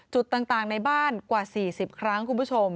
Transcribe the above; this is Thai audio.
จุดต่างในบ้านกว่า๔๐ครั้งคุณผู้ชม